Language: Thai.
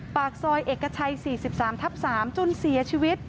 ปากซอยเอกชัย๔๓ทับ๓จนเสียชีวิต